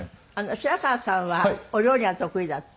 白川さんはお料理が得意だって？